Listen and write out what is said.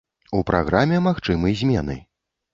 У праграме магчымы змены.